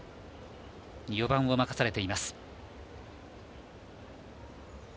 ４番を任されています。